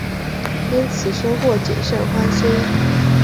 因此深获景胜欢心。